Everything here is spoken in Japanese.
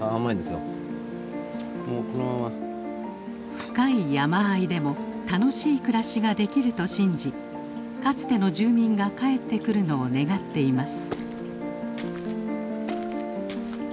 深い山あいでも楽しい暮らしができると信じかつての住民が帰ってくるのを願っています。